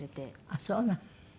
ああそうなの。